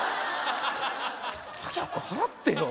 早く払ってよ